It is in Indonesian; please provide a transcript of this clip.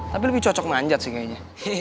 tapi lebih cocok manjat sih kayaknya